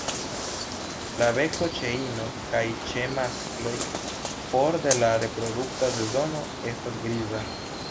La beko ĉe inoj kaj ĉe maskloj for de la reprodukta sezono estas griza.